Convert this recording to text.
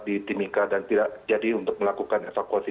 di timika dan tidak jadi untuk melakukan evakuasi